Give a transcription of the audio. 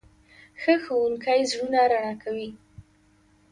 ښه ښوونکی زړونه رڼا کوي.